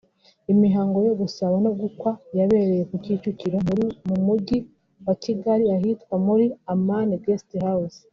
Imihango yo gusaba no gukwa yabereye ku Kicukiro mu mujyi wa Kigali ahitwa muri Amani Guest House